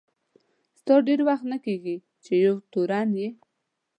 ستا ډېر وخت نه کیږي چي یو تورن یې.